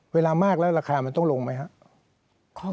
เวลามากแล้วราคามันต้องลงไหมครับ